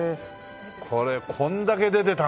これこんだけ出てたんだ。